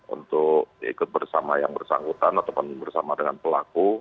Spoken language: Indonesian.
untuk ikut bersama yang bersangkutan ataupun bersama dengan pelaku